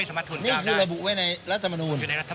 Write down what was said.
นี่คือระบุไว้ในรัฐธรรมนุษย์